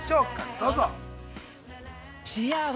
どうぞ。